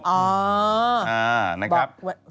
อ๋อบอกแฟนคลับเวลล่าเวลล่า